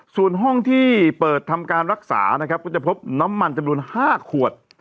ส่วนห้องที่เปิดทำการรักษานะครับก็จะพบน้ำมันจำนวน๕ขวด